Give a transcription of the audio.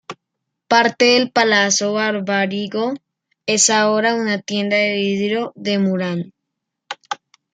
Parte del Palazzo Barbarigo es ahora una tienda de vidrio de Murano.